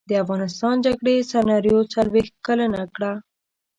د افغانستان جګړې سناریو څلویښت کلنه کړه.